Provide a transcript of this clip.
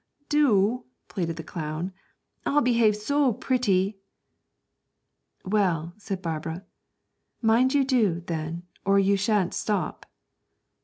'Do,' pleaded the clown, 'I'll behave so pretty!' 'Well,' said Barbara, 'mind you do, then, or you shan't stop.'